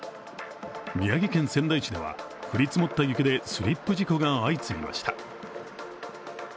宮城県仙台市では降り積もった雪でスリップ事故が相次いぎました。